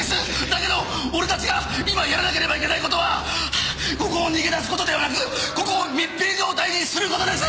だけど俺たちが今やらなければいけない事はここを逃げ出す事ではなくここを密閉状態にする事です！